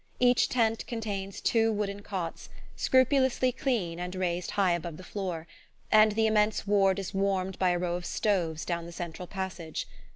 Each tent contains two wooden cots, scrupulously clean and raised high above the floor; and the immense ward is warmed by a row of stoves down the central passage.